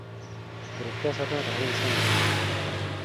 د روغتیا ساتنه د هر انسان مسؤلیت دی.